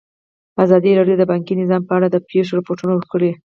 ازادي راډیو د بانکي نظام په اړه د پېښو رپوټونه ورکړي.